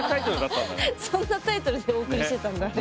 そんなタイトルでお送りしてたんだね。